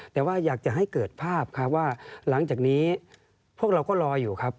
แต่ว่าอยากจะให้เกิดภาพครับว่าหลังจากนี้พวกเราก็รออยู่ครับ